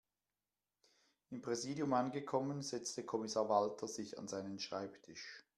Im Präsidium angekommen, setzte Kommissar Walter sich an seinen Schreibtisch.